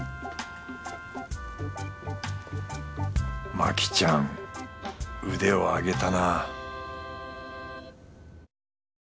マキちゃん腕を上げたな